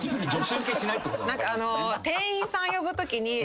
店員さん呼ぶときに。